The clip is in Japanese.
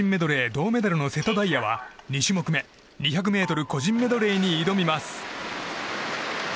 銅メダルの瀬戸大也は２種目め、２００ｍ個人メドレーに挑みます。